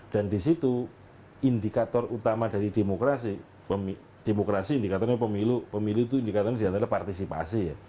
dan di situ indikator utama dari demokrasi indikatornya pemilu pemilu itu indikatornya di antara partisipasi